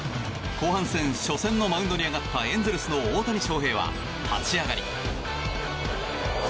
後半戦初戦のマウンドに上がったエンゼルスの大谷翔平は立ち上がり。